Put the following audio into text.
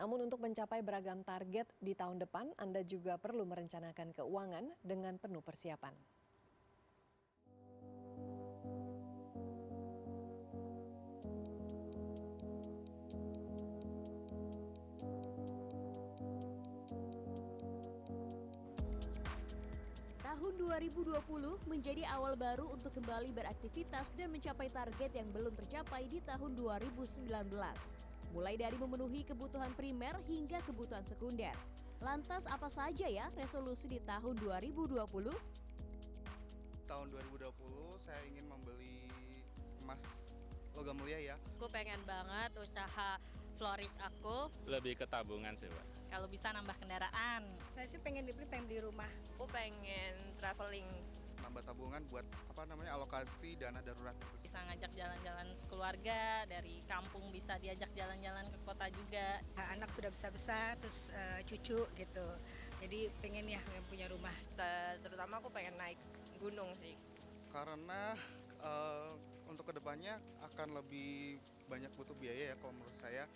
untuk kedepannya akan lebih banyak butuh biaya ya kalau menurut saya